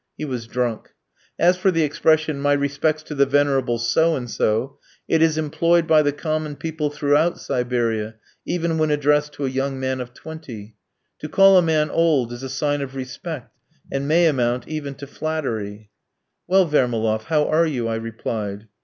He was drunk. As for the expression, "My respects to the venerable so and so," it is employed by the common people throughout Siberia, even when addressed to a young man of twenty. To call a man old is a sign of respect, and may amount even to flattery. "Well, Vermaloff, how are you?" I replied.